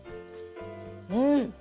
うん！